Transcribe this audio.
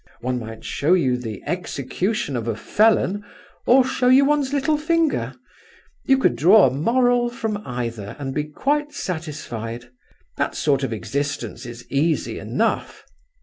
One might show you the execution of a felon, or show you one's little finger. You could draw a moral from either, and be quite satisfied. That sort of existence is easy enough."